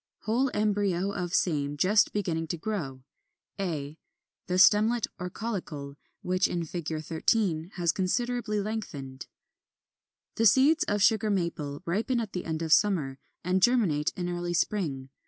Whole embryo of same just beginning to grow; a, the stemlet or caulicle, which in 13 has considerably lengthened.] 20. The seeds of Sugar Maple ripen at the end of summer, and germinate in early spring.